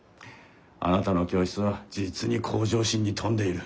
あなたの教室は実に向上心に富んでいる。